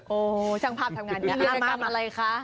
โอ้โหช่างภาพทำงานอย่างนี้